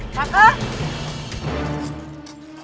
gua ngerjain dia